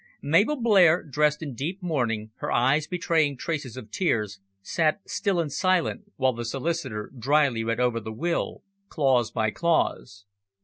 Mabel Blair, dressed in deep mourning, her eyes betraying traces of tears, sat still and silent while the solicitor drily read over the will, clause by clause.